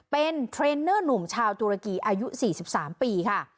เป็นเทรนเนอร์หนุ่มชาวตุรกีอายุ๔๓ปีค่ะ